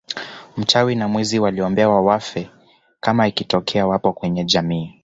Mchawi na mwizi waliombewa wafe kama ikitokea wapo kwenye jamii